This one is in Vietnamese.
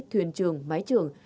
thuyền trường máy trường